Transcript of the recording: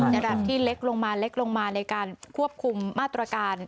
ระดับที่เล็กลงมาเล็กลงมาในการควบคุมมาตรการ